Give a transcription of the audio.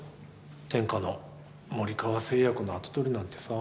天下の森川製薬の跡取りなんてさ。